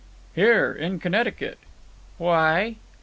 "Here. In Connecticut." "Why?"